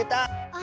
あ。